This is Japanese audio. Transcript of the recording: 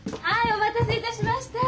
お待たせいたしました！